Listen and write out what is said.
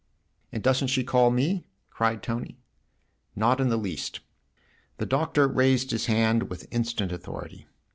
"And doesn't she call me?" cried Tony. " Not in the least." The Doctor raised his hand with instant authority.